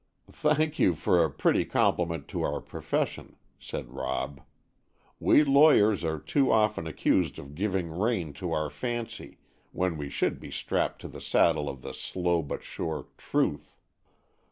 "Thank you for a pretty compliment to our profession," said Rob. "We lawyers are too often accused of giving rein to our fancy, when we should be strapped to the saddle of slow but sure Truth."